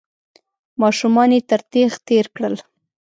ماشومان يې تر تېغ تېر کړل.